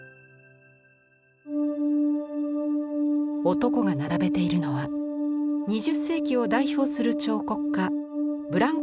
男が並べているのは２０世紀を代表する彫刻家ブランクーシ作品のレプリカ。